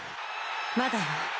まだよ！